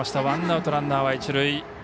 ワンアウト、ランナーは一塁。